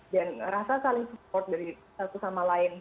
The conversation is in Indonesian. dan rasa saling support dari satu sama lain